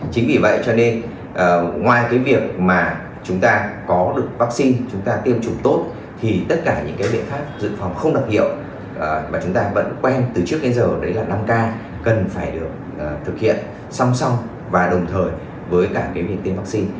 chính vì vậy cho nên ngoài cái việc mà chúng ta có được vaccine chúng ta tiêm chủng tốt thì tất cả những cái biện pháp dự phòng không đặc hiệu mà chúng ta vẫn quen từ trước đến giờ đấy là năm ca cần phải được thực hiện song song và đồng thời với cả cái việc tiêm vaccine